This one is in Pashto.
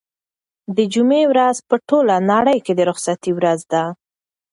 د جمعې ورځ په ټوله نړۍ کې د رخصتۍ ورځ ده.